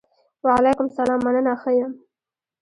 وعلیکم سلام! مننه ښۀ یم.